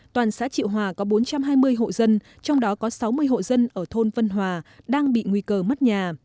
toàn xã triệu hòa có bốn trăm hai mươi hộ dân trong đó có sáu mươi hộ dân ở thôn vân hòa đang bị nguy cơ mất nhà